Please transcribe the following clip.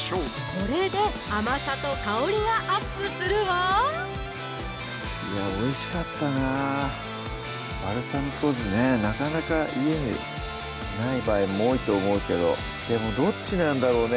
これで甘さと香りがアップするわいやおいしかったなぁバルサミコ酢ねなかなか家にない場合も多いと思うけどでもどっちなんだろうね